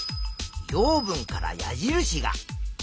養分から矢印が。